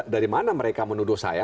dari mana mereka menuduh saya